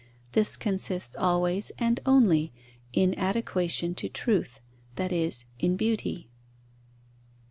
This consists always and only in adequation to truth; that is, in beauty.